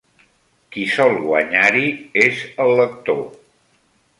Qui sol guanyar-hi és el lector.